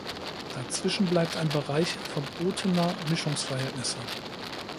Dazwischen bleibt ein Bereich „verbotener“ Mischungsverhältnisse.